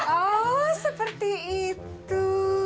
oh seperti itu